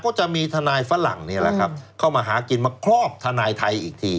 ก็จะมีทนายฝรั่งเข้ามาหากินมาครอบทนายไทยอีกที